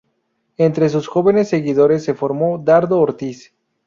Entre sus jóvenes seguidores se formó Dardo Ortiz.